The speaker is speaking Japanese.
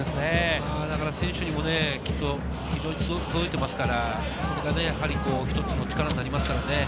選手にもきっと届いていますから、これがひとつの力になりますからね。